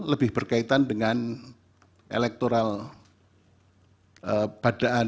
lebih berkaitan dengan elektoral badan